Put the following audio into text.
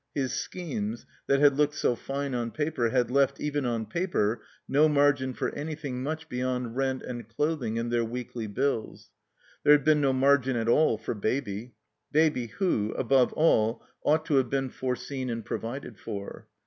His schemes, that had looked so fine on paper, had left, even on paper, no margin for anjrthing much beyond rent and cloth ing and their weekly bills. There had been no mar gin at all for Baby; Baby who, above all, ought to have been foreseen and provided for.